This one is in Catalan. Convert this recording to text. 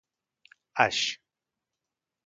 Aix